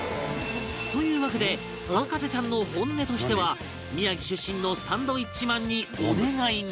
わけで博士ちゃんの本音としては宮城出身のサンドウィッチマンにお願いが